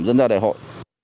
dẫn ra đại hội